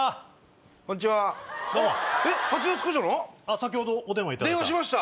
先ほどお電話いただいた。